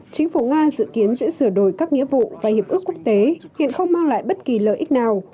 chính phủ nga dự kiến sẽ sửa đổi các nghĩa vụ và hiệp ước quốc tế hiện không mang lại bất kỳ lợi ích nào